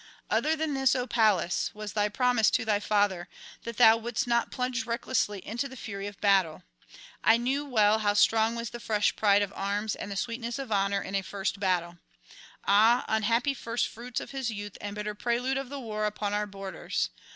'Other than this, O Pallas! was thy promise to thy father, that thou wouldst not plunge recklessly into the fury of battle. I knew well how strong was the fresh pride of arms and the sweetness of honour in a first battle. Ah, unhappy first fruits of his youth and bitter prelude of the war upon our borders!